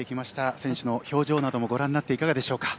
選手の表情などもご覧になっていかがでしょうか？